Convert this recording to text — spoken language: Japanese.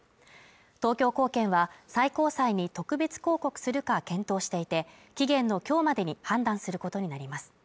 東京高検は最高裁に特別抗告するか検討していて、期限の今日までに判断することになります